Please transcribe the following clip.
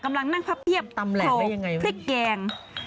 กำลังนั่งพับเทียบโขกพริกแกง